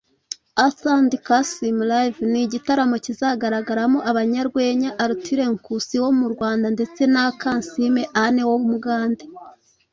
Arthur &Kansiime Live ni igitaramo kizagaragaramo abanyarwenya Arthur Nkusi wo mu Rwanda ndetse na Kansiime Anne w’Umugande